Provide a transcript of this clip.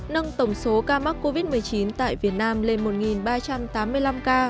nâng tổng số ca mắc covid một mươi chín tại việt nam lên một ba trăm tám mươi năm ca